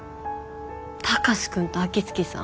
貴司君と秋月さん